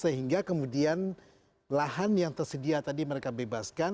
sehingga kemudian lahan yang tersedia tadi mereka bebaskan